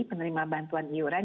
penerima bantuan iuran